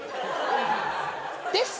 です。